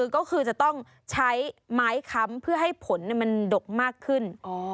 ก็คือจะต้องใช้ไม้ค้ำเพื่อให้ผลมันดกมากขึ้น